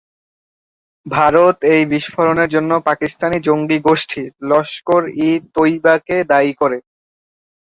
ভারত এই বিস্ফোরণের জন্য পাকিস্তানি জঙ্গি গোষ্ঠী লস্কর-ই-তৈবাকে দায়ী করে।